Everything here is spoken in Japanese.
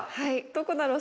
どこだろう？